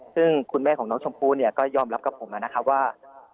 ซึ่งคุณแม่ของน้องชมพู่เนี่ยก็ยอมรับกับผมนะครับว่า